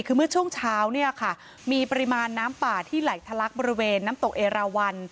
คือเมื่อช่วงเช้าเนี่ยค่ะมีปริมาณน้ำป่าที่ไหลทะลักบริเวณน้ำตกเอราวัน